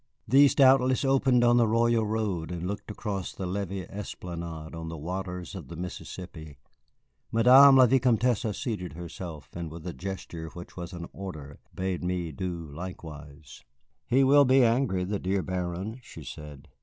These doubtless opened on the Royal Road and looked across the levee esplanade on the waters of the Mississippi. Madame la Vicomtesse seated herself, and with a gesture which was an order bade me do likewise. "He will be angry, the dear Baron," she said.